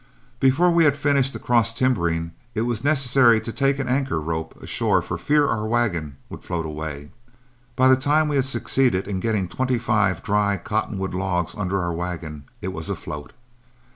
Before we had finished the cross timbering, it was necessary to take an anchor rope ashore for fear our wagon would float away. By the time we had succeeded in getting twenty five dry cottonwood logs under our wagon, it was afloat.